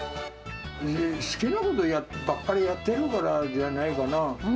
好きなことばっかりやってるからじゃないかな。